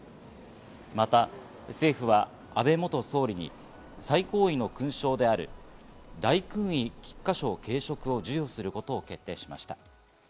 また政府は安倍元総理に最高位の勲章である大勲位菊花章頸飾を授与することを決定しました。